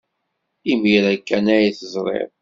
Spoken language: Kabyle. Imir-a kan ay t-teẓriḍ.